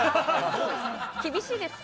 厳しいですか？